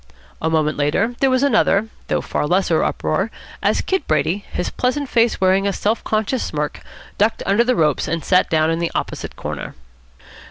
A moment later there was another, though a far lesser, uproar, as Kid Brady, his pleasant face wearing a self conscious smirk, ducked under the ropes and sat down in the opposite corner.